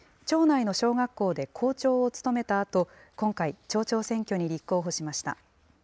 町内の小学校で校長を務めたあと、今回、町長選挙に立候補しました。